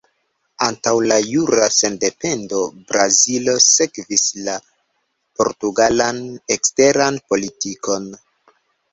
Antaŭ la jura sendependo, Brazilo sekvis la portugalan eksteran politikon.